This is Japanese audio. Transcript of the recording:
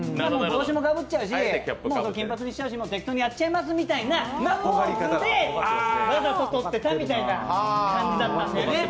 帽子もかぶっちゃうし金髪にしちゃうし適当にやっちゃいますみたいなことで、わざと撮ってたみたいな感じだったんだよね。